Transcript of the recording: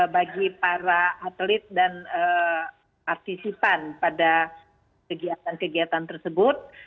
bagi para atlet dan partisipan pada kegiatan kegiatan tersebut